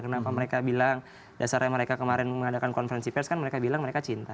kenapa mereka bilang dasarnya mereka kemarin mengadakan konferensi pers kan mereka bilang mereka cinta